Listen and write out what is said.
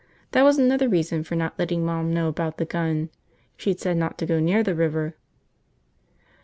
That was another reason for not letting Mom know about the gun. She'd said not to go near the river.